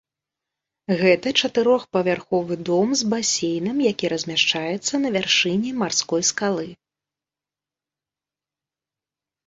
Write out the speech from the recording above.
Гэта чатырохпавярховы дом з басейнам, які размяшчаецца на вяршыні марской скалы.